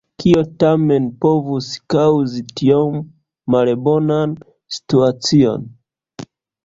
Kio tamen povus kaŭzi tiom malbonan situacion?